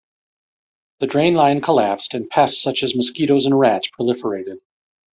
The drain line collapsed and pests such as mosquitos and rats proliferated.